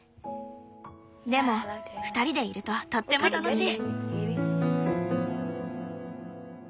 でも２人でいるととっても楽しい。